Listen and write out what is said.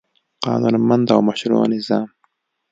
قانونمند او مشروع نظام